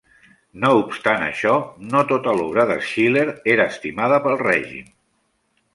No obstant això, no tota l'obra de Schiller era estimada pel règim.